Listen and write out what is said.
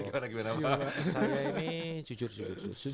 kalau saya ini jujur jujur